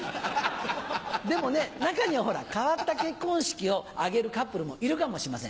でもね中には変わった結婚式を挙げるカップルもいるかもしれません。